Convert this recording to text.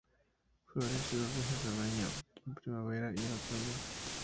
Florece dos veces al año, en primavera y en otoño.